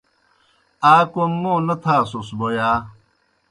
آ کوْم موں نہ تھاسُس بوْ یا؟